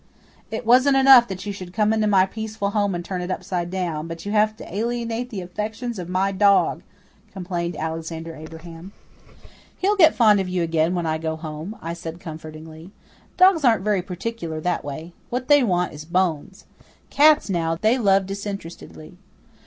"It wasn't enough that you should come into my peaceful home and turn it upside down, but you have to alienate the affections of my dog," complained Alexander Abraham. "He'll get fond of you again when I go home," I said comfortingly. "Dogs aren't very particular that way. What they want is bones. Cats now, they love disinterestedly.